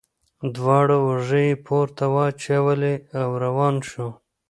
دواړه اوږې یې پورته واچولې او روان شو.